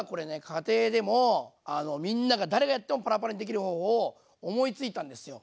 家庭でもみんなが誰がやってもパラパラにできる方法を思いついたんですよ。